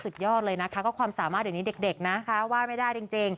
ยอดเลยนะคะก็ความสามารถเดี๋ยวนี้เด็กนะคะว่าไม่ได้จริง